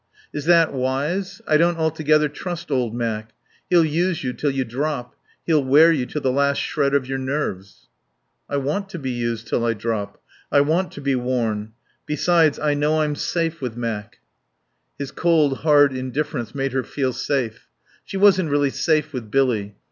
"Is that wise? I don't altogether trust old Mac. He'll use you till you drop. He'll wear you to the last shred of your nerves." "I want to be used till I drop. I want to be worn. Besides, I know I'm safe with Mac." His cold, hard indifference made her feel safe. She wasn't really safe with Billy.